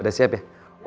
udah siap ya